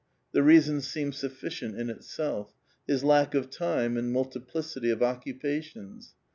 The reason seemed sufficient in itself : his lack of time and multiplicity of occupations.